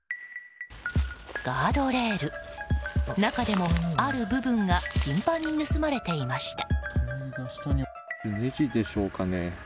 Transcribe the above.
ガードレール中でも、ある部分が頻繁に盗まれていました。